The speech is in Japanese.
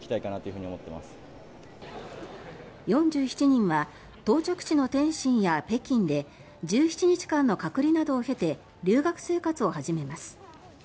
４７人は到着地の天津や北京で１７日間の隔離などを経て留学生活を始めます。